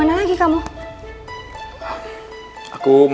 aku mau keluar sebentar ma ada urusan